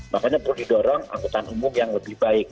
makanya perlu didorong angkutan umum yang lebih baik